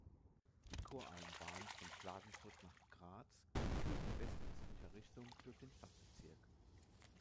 Die Koralmbahn von Klagenfurt nach Graz führt in west-östlicher Richtung durch den Stadtbezirk.